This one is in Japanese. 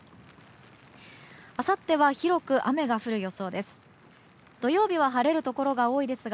あさっては広く雨が降る予想です。